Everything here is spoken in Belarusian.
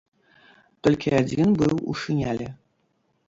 Толькі адзін быў у шынялі.